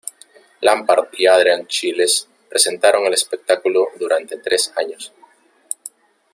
Lampard y Adrian Chiles presentaron el espectáculo durante tres años.